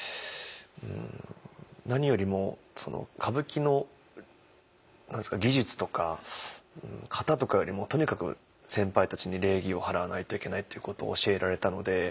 何よりも歌舞伎の技術とか型とかよりもとにかく先輩たちに礼儀を払わないといけないっていうことを教えられたので。